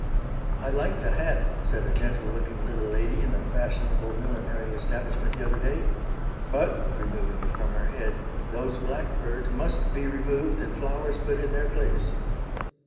"I like the hat," said a gentle looking little lady in a fashionable millinery establishment the other day, "but," removing it from her head, "those blackbirds must be removed and flowers put in their place."